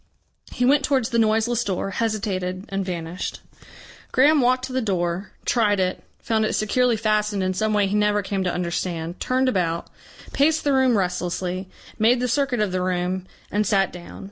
He went towards the noiseless door, hesitated and vanished. Graham walked to the door, tried it, found it securely fastened in some way he never came to understand, turned about, paced the room restlessly, made the circuit of the room, and sat down.